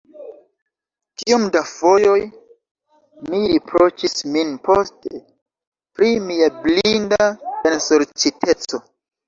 Kiom da fojoj mi riproĉis min poste pri mia blinda ensorĉiteco!